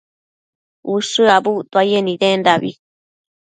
ushË abuctuaye nidendabi